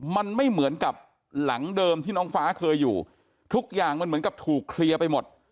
มันไม่เหมือนกับหลังเดิมที่น้องฟ้าเคยอยู่ทุกอย่างมันเหมือนกับถูกเคลียร์ไปหมด